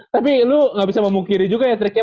tapi lu gak bisa memungkiri juga ya triknya